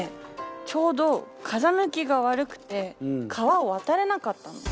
ちょうど風向きが悪くて川を渡れなかったの。